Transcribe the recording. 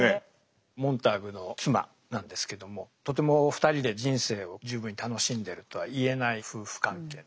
モンターグの妻なんですけどもとても２人で人生を十分に楽しんでるとは言えない夫婦関係。